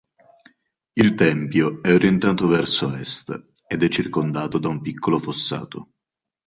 Il tempio è orientato verso Est ed è circondato da un piccolo fossato.